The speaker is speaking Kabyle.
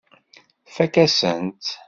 Tfakk-asen-tt.